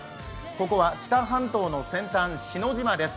ここは知多半島の先端、篠島です。